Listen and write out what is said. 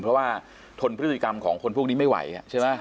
เพราะว่าทนพฤติกรรมของคนพวกนี้ไม่ไหวใช่ไหม